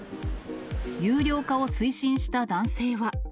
有料化を推進した男性は。